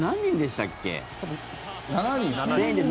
７人ですね。